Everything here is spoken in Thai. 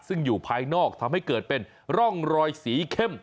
ซึ่งอยู่ภายนอกทำให้เกิดเป็นร่องรอยสีเข้ม